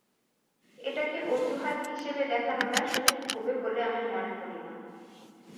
এটাকে অজুহাত হিসেবে দেখানোটা সঠিক হবে বলে আমি মনে করি না।